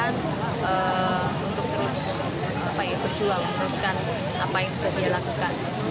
untuk terus berjual teruskan apa yang sudah dia lakukan